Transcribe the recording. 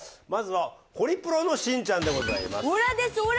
まずはホリプロのしんちゃんでございます。